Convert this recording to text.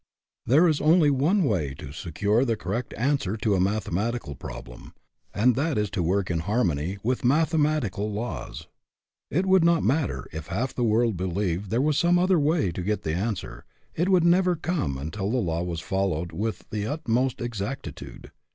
There is only one way to secure the correct answer to a mathematical problem; and that is to work in harmony with mathematical laws. It would not matter if half the world believed there was some other way to get the answer, it would never come until the law was fol lowed with the utmost exactitude.